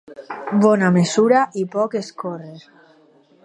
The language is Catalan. Bona mesura i poc escórrer.